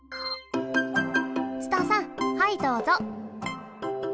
ツタさんはいどうぞ。